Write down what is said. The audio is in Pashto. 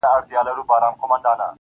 زه دې د سترگو په سکروټو باندې وسوځلم,